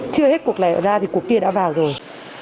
chưa hết cuộc lẻ ra thì cuộc kia đã vào rồi